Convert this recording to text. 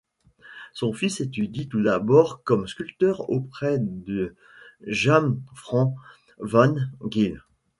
Son fils étudie tout d'abord comme sculpteur auprès de Jan-Frans Van Geel.